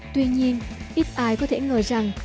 tuy nhiên ít ai có thể ngờ rằng